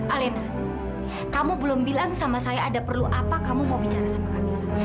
alin kamu belum bilang sama saya ada perlu apa kamu mau bicara sama kami